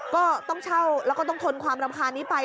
ก็ต้องเช่าแล้วก็ต้องทนความรำคาญนี้ไป